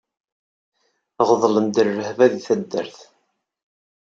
Ɣeḍlen-d rrehba di taddart.